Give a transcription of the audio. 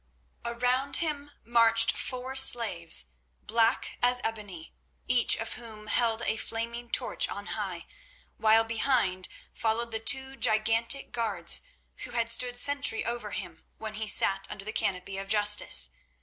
Around him marched four slaves, black as ebony, each of whom held a flaming torch on high, while behind followed the two gigantic guards who had stood sentry over him when he sat under the canopy of justice.